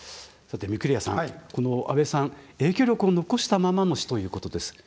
御厨さん、この安倍さん影響力を残したままの死ということです。